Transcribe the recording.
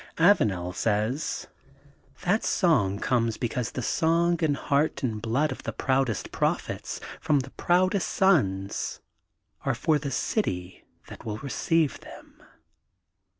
'* Avanel says, That song comes be cause the song and heart and blood of the proudest prophets from the proudest suns, are for the city that will receive them.'